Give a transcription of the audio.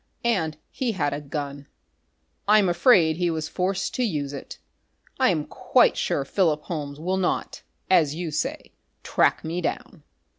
And he had a gun. I'm afraid he was forced to use it.... I am quite sure Philip Holmes will not, as you say, track me down."